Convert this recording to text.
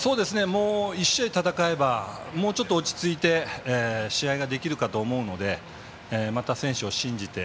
１試合戦えばもうちょっと落ち着いて試合ができるかと思うのでまた選手を信じて